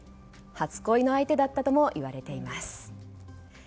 初恋の相手だったともいわれています。